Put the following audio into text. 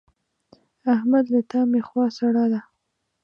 احمد له تا مې خوا سړه ده.